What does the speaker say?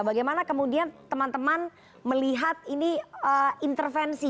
bagaimana kemudian teman teman melihat ini intervensi